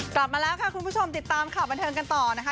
กลับมาแล้วค่ะคุณผู้ชมติดตามข่าวบันเทิงกันต่อนะคะ